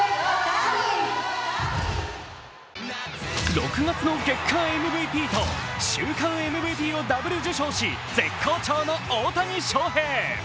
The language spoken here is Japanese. ６月の月間ＭＶＰと週間ＭＶＰをダブル受賞し絶好調の大谷翔平。